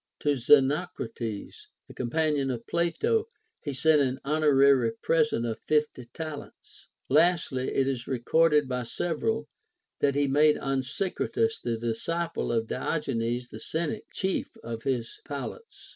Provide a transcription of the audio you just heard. To Xenocrates, the companion of Plato, he sent an honor ary present of fifty talents. Lastly, it is recorded by sev eral that he made Onesicratus, the disciple of Diogenes the Cynic, chief of his pilots.